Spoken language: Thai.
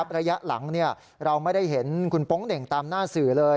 ระยะหลังเราไม่ได้เห็นคุณโป๊งเหน่งตามหน้าสื่อเลย